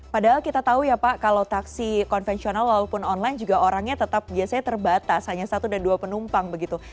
padahal kita tahu ya pak kalau taksi konvensional walaupun online juga orangnya tetap biasanya terbatas hanya satu dan dua penumpang begitu